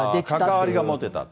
関わりが持てた。